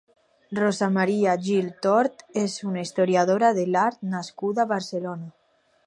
Rosa Maria Gil Tort és una historiadora de l'art nascuda a Barcelona.